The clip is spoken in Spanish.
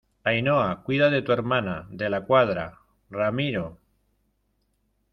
Ainhoa, cuida de tu hermana. de la Cuadra , Ramiro